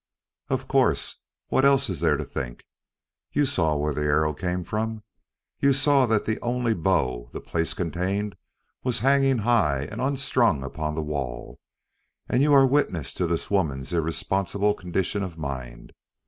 "Of course. What else is there to think? You saw where the arrow came from. You saw that the only bow the place contained was hanging high and unstrung upon the wall, and you are witness to this woman's irresponsible condition of mind.